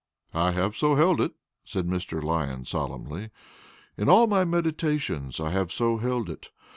"I have so held it," said Mr. Lyon, solemnly; "in all my meditations I have so held it.